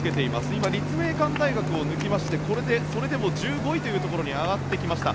今、立命館大学を抜きましてこれでそれでも１５位というところに上がってきました。